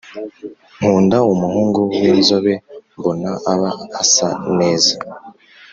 nkunda umuhungu winzobe mbona aba asa neza